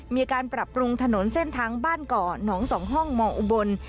มีการปรับปรุงถนนเส้นทางบ้านเกาะหนองสองห้องมองอุบล